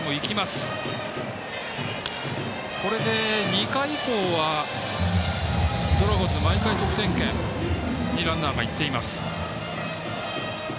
２回以降はドラゴンズ毎回得点圏にランナーが行っています。